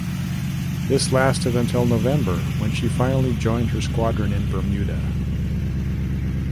This lasted until November when she finally joined her squadron in Bermuda.